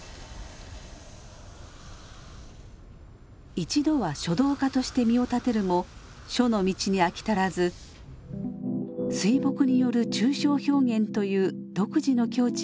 一度は書道家として身を立てるも書の道に飽き足らず水墨による抽象表現という独自の境地を開拓。